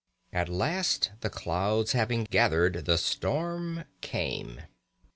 At last, the clouds having gathered, the storm came.